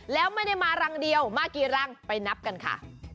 แล้วไม่ได้มารังเดียวมากี่รังไปนับกันค่ะ